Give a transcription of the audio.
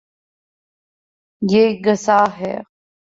یے گصاہ ہے